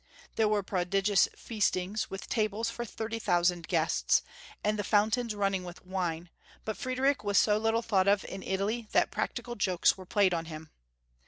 There were prodigious feastings, with tables FuniKtcu m. for 30,000 guests, and Fnedrich lU. 247 the fountains running with wine, but Fnedrich was so little thought of in Italy that practical jokes were played on him.